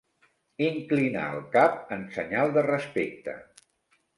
Inclinar el cap en senyal de respecte.